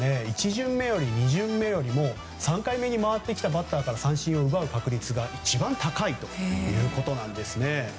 １巡目２巡目よりも３回目に回ってきたバッターから三振を奪う確率が一番高いということです。